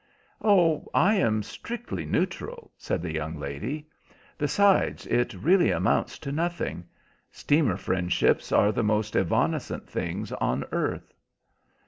"Oh, I am strictly neutral," said the young lady. "Besides, it really amounts to nothing. Steamer friendships are the most evanescent things on earth."